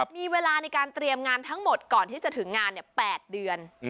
มีเวลาในการเตรียมงานทั้งหมดก่อนที่จะถึงงาน๘เดือน